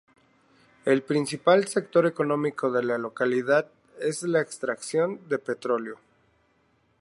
El principal sector económico de la localidad es la extracción de petróleo.